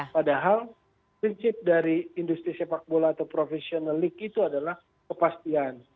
padahal prinsip dari industri persepakbola atau professional league itu adalah kepastian